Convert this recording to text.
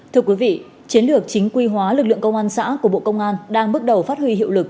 thưa quý vị chiến lược chính quy hóa lực lượng công an xã của bộ công an đang bước đầu phát huy hiệu lực